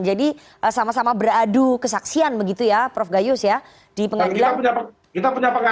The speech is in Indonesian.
jadi sama sama beradu kesaksian begitu ya prof gayus ya di pengadilan